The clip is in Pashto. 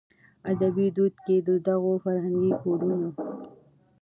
ادبي دود کې د دغو فرهنګي کوډونو